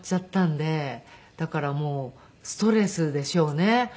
だからもうストレスでしょうね